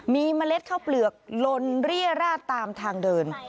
มีเมล็ดข้าวเปลือกลนเรียราดตามทางเดิน